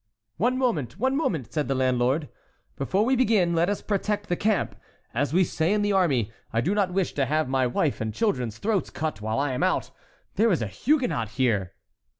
"One moment, one moment!" said the landlord. "Before we begin, let us protect the camp, as we say in the army. I do not wish to have my wife and children's throats cut while I am out. There is a Huguenot here."